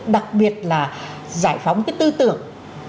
đặc biệt là giải phóng cái tư tưởng